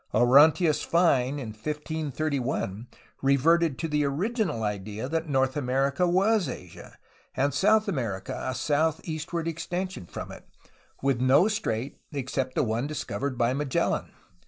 Orontius Fine, in 1531, reverted to the original idea that North America was Asia, and South America a southeastward extension from it, with no strait except the one discovered by Magellan.